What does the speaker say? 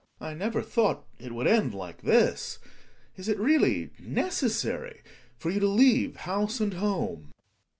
I never thought it would end like this. Is it really necessary for you to leave house and home